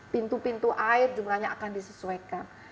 pintu pintu air jumlahnya akan disesuaikan